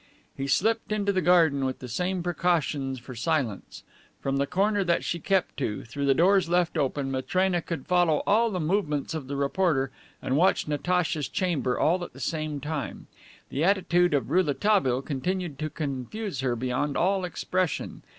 He slipped into the garden with the same precautions for silence. From the corner that she kept to, through the doors left open, Matrena could follow all the movements of the reporter and watch Natacha's chamber at the same time. The attitude of Rouletabille continued to confuse her beyond all expression.